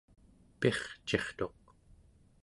pircirtuq